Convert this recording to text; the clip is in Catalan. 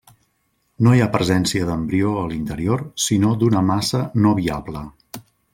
No hi ha presència d'embrió a l'interior sinó d'una massa no viable.